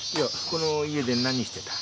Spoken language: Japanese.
この家で何してた？